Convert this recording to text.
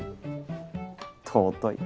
尊い。